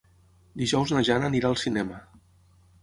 Dijous na Jana anirà al cinema.